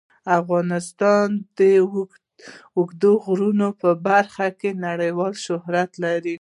افغانستان د اوږده غرونه په برخه کې نړیوال شهرت لري.